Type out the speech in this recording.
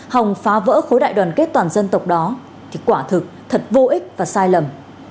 hòng phá vỡ khối đại đoàn kết toàn dân tộc đó thì quả thực thật vô ích và sai lầm